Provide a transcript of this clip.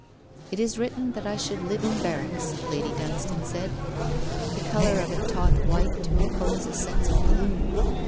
'It is written that I should live in barracks,' Lady Dunstane said. The colour of it taught white to impose a sense of gloom.